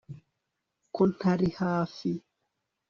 ko ntari hafi